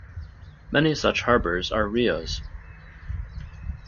Many such harbors are rias.